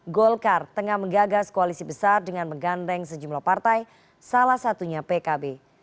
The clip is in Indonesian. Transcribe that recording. golkar tengah menggagas koalisi besar dengan menggandeng sejumlah partai salah satunya pkb